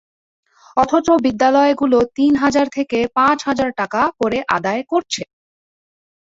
অথচ বিদ্যালয়গুলো তিন হাজার থেকে পাঁচ হাজার টাকা করে আদায় করছে।